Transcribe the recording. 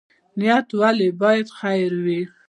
نیت ولې باید خیر وي؟